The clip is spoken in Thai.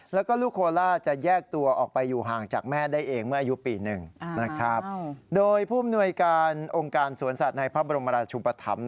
เฦรียญแผนออกมาเนี่ยคลานมา